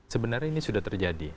sebenarnya ini sudah terjadi